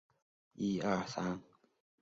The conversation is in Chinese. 现任校长为杨伟贤先生。